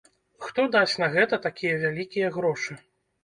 Хто дасць на гэта такія вялікія грошы?